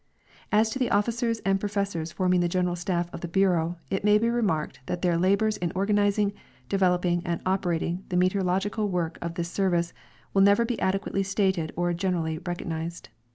As to the officers and professors forming the general staff of the bureau, it may be remarked that their labors in organizing, developing and operating the meteorological work of this service Avill never be adequately stated or generall}^ recognized.